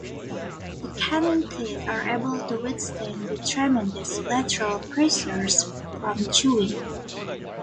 The canine teeth are able to withstand the tremendous lateral pressures from chewing.